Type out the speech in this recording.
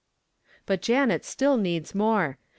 But Janet still needs more!